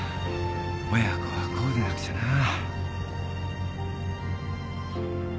親子はこうでなくちゃなあ。